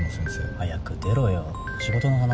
早く出ろよ仕事の話だろ。